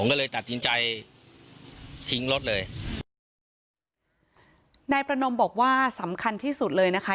ก็เลยตัดสินใจทิ้งรถเลยนายประนมบอกว่าสำคัญที่สุดเลยนะคะ